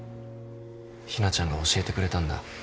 日菜ちゃんが教えてくれたんだ。